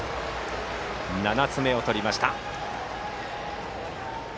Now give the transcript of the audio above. ７つ目をとりました。